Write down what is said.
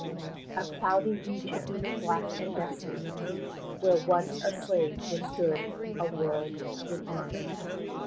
A cloudy region, black and desolate, Where once a slave withstood a world in arms.